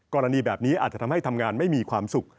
กรณีแบบนี้อาจจะทำให้ทำงานไม่มีความสุข